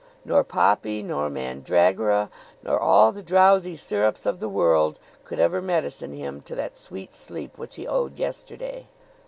Nor poppy nor mandragora, nor all the drowsy sirups of the world, could ever medicine him to that sweet sleep which he owed yesterday.